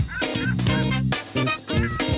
สวัสดีครับ